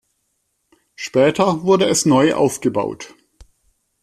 Später wurde es neu aufgebaut.